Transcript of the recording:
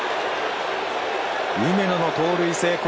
梅野の盗塁成功。